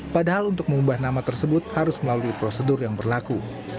padahal untuk mengubah nama tersebut harus melalui prosedur yang berlaku